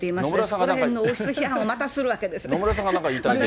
そのへんの王室批判をまたするわけですね。